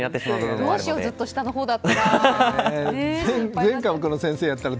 どうしようずっと下のほうだったら。